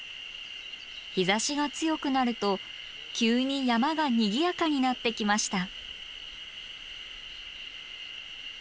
日ざしが強くなると急に山がにぎやかになってきました。